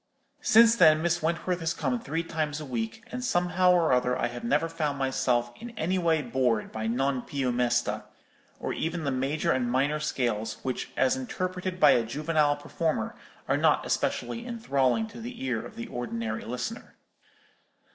"Since then Miss Wentworth has come three times a week; and somehow or other I have never found myself in any way bored by 'Non più mesta,' or even the major and minor scales, which, as interpreted by a juvenile performer, are not especially enthralling to the ear of the ordinary listener.